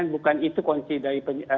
bukan itu kunci dari